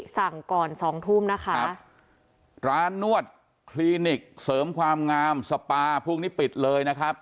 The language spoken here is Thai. สั่งก่อนสองทุ่มนะคะร้านนวดคลินิกเสริมความงามสปาพวกนี้ปิดเลยนะครับ